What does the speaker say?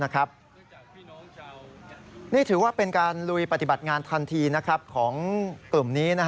นี่ถือว่าเป็นการลุยปฏิบัติงานทันทีของกลุ่มนี้